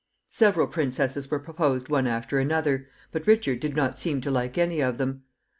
Several princesses were proposed one after another, but Richard did not seem to like any of them.